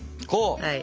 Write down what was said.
こう！